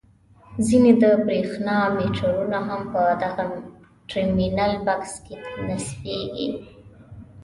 ځینې د برېښنا میټرونه هم په دغه ټرمینل بکس کې نصبیږي.